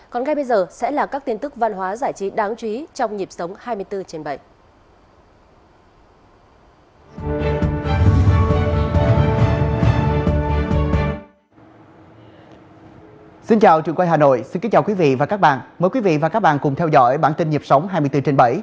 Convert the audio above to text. còn ngay bây giờ sẽ là các tin tức văn hóa giải trí đáng chú ý trong nhịp sống hai mươi bốn trên bảy